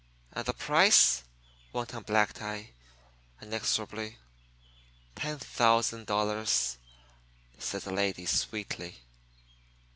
"And the price?" went on Black Tie, inexorably. "Ten thousand dollars," said the lady, sweetly.